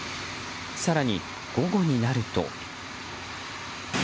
更に午後になると。